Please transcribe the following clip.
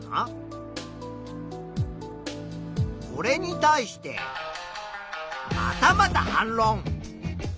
これに対してまたまた反ろん。